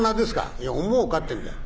「いや『思うか？』ってんだ」。